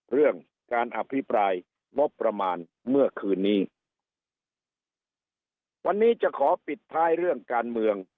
เรื่องการอภิปรายงบประมาณเมื่อคืนนี้วันนี้จะขอปิดท้ายเรื่องการเมือง